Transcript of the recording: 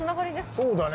そうだね